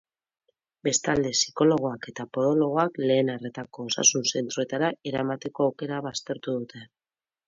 Bestalde, psikologoak eta podologoak lehen arretako osasun zentroetara eramateko aukera baztertu dute.